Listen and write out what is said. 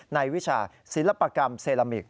วิชาศิลปกรรมเซรามิก